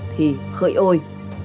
thì khởi ôi